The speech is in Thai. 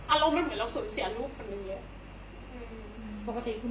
อารมณ์เหมือนเราสูญเสียลูก